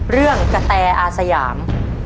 เรื่องกะแตอาสยาม